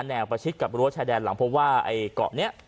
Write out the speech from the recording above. แนวประชิคกับรั้วชายแดนหลังเพราะว่าไอ้เกาะเนี้ย